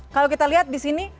kalau kita lihat di sini